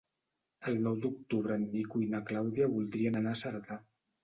El nou d'octubre en Nico i na Clàudia voldrien anar a Cerdà.